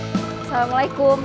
alhamdulillah akhirnya berhasil juga